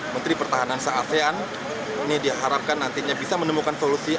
menteri pertahanan se asean ini diharapkan nantinya bisa menemukan solusi